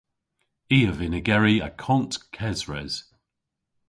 I a vynn ygeri akont kesres.